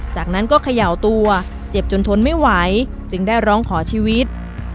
จากนั้นก็เขย่าตัวเจ็บจนทนไม่ไหวจึงได้ร้องขอชีวิต